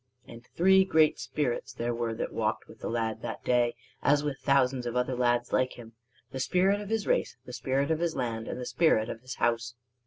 And three great spirits there were that walked with the lad that day as with thousands of other lads like him: the spirit of his race, the spirit of his land, and the spirit of his house.